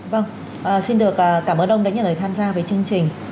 vâng xin được cảm ơn ông đã nhận lời tham gia với chương trình